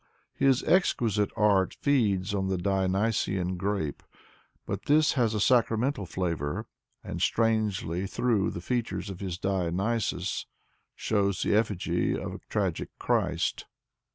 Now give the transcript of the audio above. His exqui site art feeds on the Dionysian grape, but this has a sacramental flavor, and strangely through the features of his Dionyscs shows the effigy of a tragic Christ.